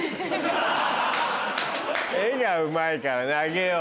絵がうまいからなあげよう。